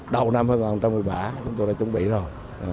đầu năm hai nghìn một mươi bảy chúng tôi đã chuẩn bị rồi